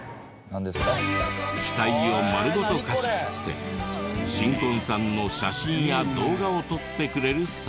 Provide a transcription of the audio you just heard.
機体を丸ごと貸し切って新婚さんの写真や動画を撮ってくれるサービス。